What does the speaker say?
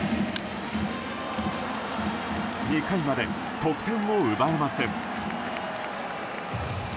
２回まで得点を奪えません。